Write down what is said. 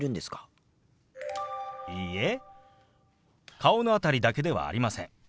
いいえ顔の辺りだけではありません。